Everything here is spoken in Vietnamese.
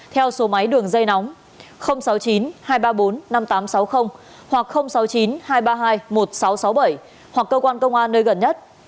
theo số máy đường dây nóng sáu mươi chín hai trăm ba mươi bốn năm nghìn tám trăm sáu mươi hoặc sáu mươi chín hai trăm ba mươi hai một nghìn sáu trăm sáu mươi bảy hoặc cơ quan công an nơi gần nhất